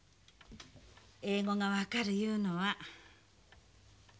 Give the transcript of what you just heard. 英語が分かるいうのは。